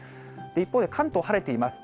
一方で関東、晴れています。